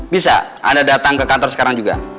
bisa anda datang ke kantor sekarang juga